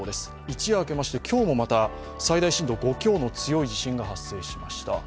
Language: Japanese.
一夜明けまして今日もまた最大震度５強の強い地震が発生しました。